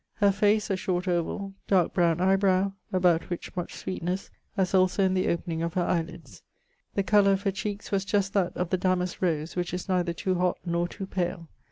Her face, a short ovall; darke browne eie browe, about which much sweetness, as also in the opening of her eie lidds. The colour of her cheekes was just that of the damaske rose, which is neither too hott nor too pale.